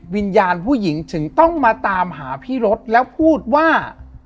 วิญญาณผู้หญิงถึงต้องมาตามหาพี่รถแล้วพูดว่า